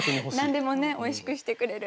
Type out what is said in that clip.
何でもねおいしくしてくれる。